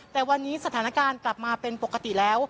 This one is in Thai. แต่วันนี้สถานการณ์กลับมาเป็นปกติแล้ว